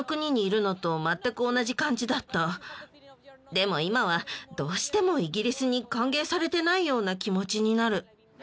でも今はどうしてもイギリスに歓迎されてないような気持ちになる。